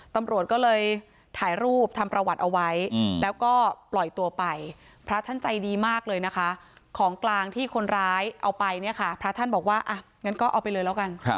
ตำรวจก็เลยถ่ายรูปทำประวัติเอาไว้แล้วก็ปล่อยตัวไปพระท่านใจดีมากเลยนะคะของกลางที่คนร้ายเอาไปเนี่ยค่ะพระท่านบอกว่าอ่ะงั้นก็เอาไปเลยแล้วกัน